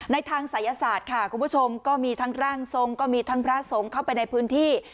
ทางศัยศาสตร์ค่ะคุณผู้ชมก็มีทั้งร่างทรงก็มีทั้งพระสงฆ์เข้าไปในพื้นที่